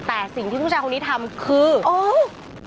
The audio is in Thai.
แต่สิ่งที่ผู้ชายคนนี้ทำคือโอ้